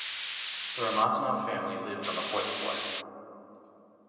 The Ramazanov family lived on the fourth floor.